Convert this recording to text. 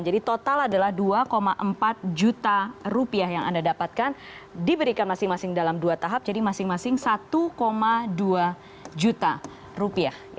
jadi total adalah dua empat juta rupiah yang anda dapatkan diberikan masing masing dalam dua tahap jadi masing masing satu dua juta rupiah